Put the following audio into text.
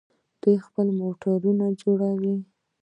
دوی خپل موټرونه جوړوي.